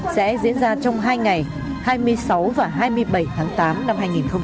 sẽ diễn ra trong hai ngày hai mươi sáu và hai mươi bảy tháng tám năm hai nghìn một mươi chín